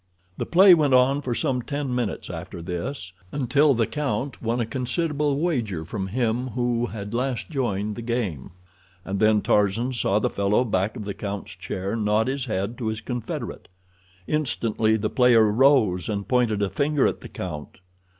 The play went on for some ten minutes after this, until the count won a considerable wager from him who had last joined the game, and then Tarzan saw the fellow back of the count's chair nod his head to his confederate. Instantly the player arose and pointed a finger at the count.